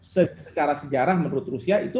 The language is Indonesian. secara sejarah menurut rusia itu